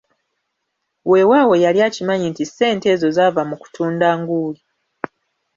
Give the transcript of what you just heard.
Weewaawo yali akimanyi nti ssente ezo zaavanga mu kutunda nguuli.